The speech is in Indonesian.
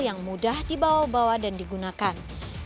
yang mudah dibawa bawa dan digunakan